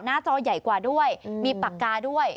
จอใหญ่กว่าด้วยมีปากกาด้วย